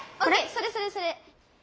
それそれそれ！